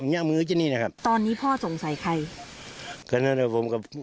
แล้วเรากรึย่าเราทำไงกว่า